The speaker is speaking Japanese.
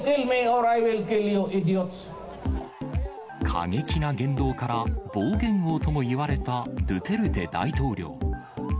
過激な言動から、暴言王ともいわれたドゥテルテ大統領。